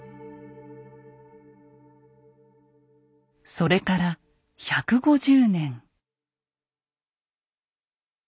それから１５０年。